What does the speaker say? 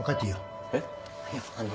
いやあの。